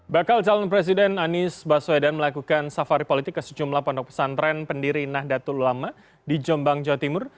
bakal calon presiden anies baswedan melakukan safari politik ke sejumlah pondok pesantren pendiri nahdlatul ulama di jombang jawa timur